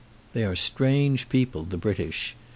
They are strange people the British.